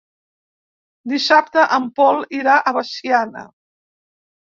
Dissabte en Pol irà a Veciana.